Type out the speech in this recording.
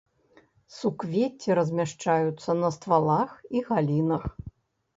Суквецці размяшчаюцца на ствалах і галінах.